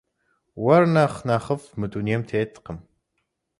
Уэр нэхъ нэхъыфӏ мы дунейм теткъым.